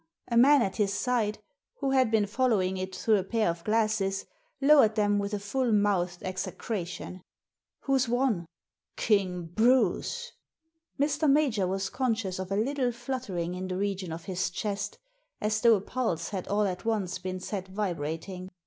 A man at his side, who had been following it through a pair of glasses, lowered them with a full mouthed execration. Who's won ? "King Bruce!" Mr. Major was conscious of a little fluttering in the region of his chest, as though a pulse had all at once been set vibrating.